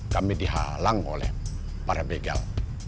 kami dihalang oleh para begal